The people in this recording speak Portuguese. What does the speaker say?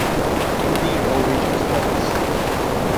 O vinho é o leite dos pobres.